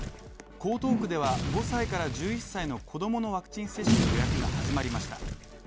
江東区では５歳から１１歳の子供のワクチン接種の予約が始まりました。